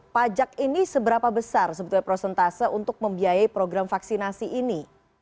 pajak ini seberapa besar sebetulnya prosentase untuk membiayai program vaksinasi ini